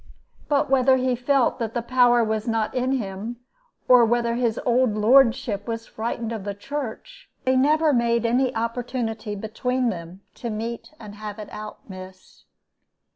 But whether he felt that the power was not in him, or whether his old lordship was frightened of the Church, they never made any opportunity between them to meet and have it out, miss.